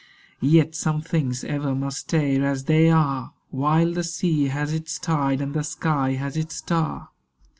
Yet some things ever must stay as they are While the sea has its tide and the sky has its star.